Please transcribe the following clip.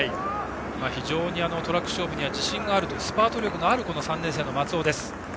非常にトラック勝負には自信がある、スパート力のある３年生の松尾です。